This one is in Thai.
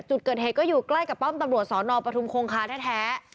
จุดเกิดเหตุก็อยู่ใกล้กับป้อมตำรวจสอนอปทุมคงคาแท้